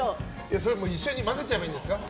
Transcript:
それはもう一緒に混ぜちゃえばいいですか？